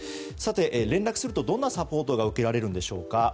さて、連絡するとどんなサポートが受けられるのでしょうか。